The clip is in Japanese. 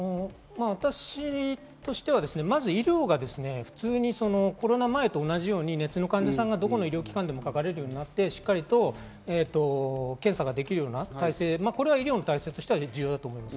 私としては医療が普通にコロナ前と同じように熱の患者さんがどこの医療機関でもかかれるようになって、しっかり検査ができるような体制、これは医療の体制としては重要です。